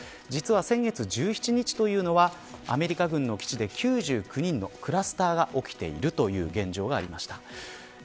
実は先月１７日はアメリカ軍の基地で９９人のクラスターが起きている現状がありました。